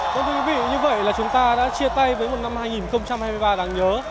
có vị như vậy là chúng ta đã chia tay với một năm hai nghìn hai mươi ba đáng nhớ